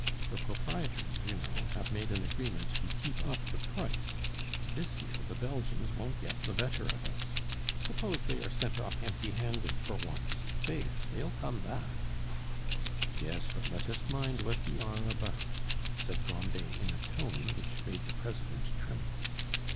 The proprietors, you know, have made an agreement to keep up the price; and this year the Belgians won't get the better of us. Suppose they are sent off empty handed for once, faith! they'll come back." "Yes, but let us mind what we are about," said Grandet in a tone which made the president tremble.